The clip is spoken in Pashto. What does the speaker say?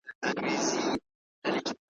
غوایي بار ته سي او خره وکړي ښکرونه ,